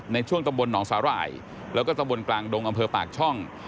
ในช่วงตำบลหนองสาหร่ายแล้วก็ตะบนกลางดงอำเภอปากช่อง